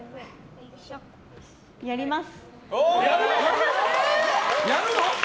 やります！